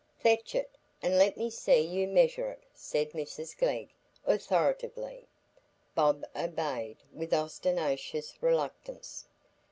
"Fetch it, and let me see you measure it," said Mrs Glegg, authoritatively. Bob obeyed with ostentatious reluctance.